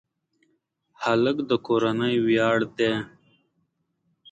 هلک د کورنۍ ویاړ دی.